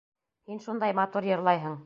Һин шундай матур йырлайһың!